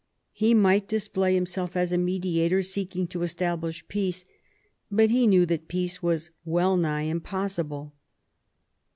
He might display himself as a mediator seeking to establish peace, but he knew that peace was well nigh impossible.